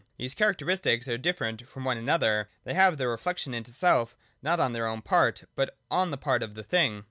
These characteristics are different from one another ; they have their reflection into self not on their ewn part, but on the part of the thing.